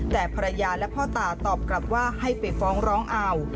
แต่ภรรยาและพ่อตาตอบกลับว่าให้ไปฟ้องร้องเอา